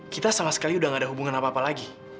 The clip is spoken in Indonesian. kita sama sekali udah gak ada hubungan apa apa lagi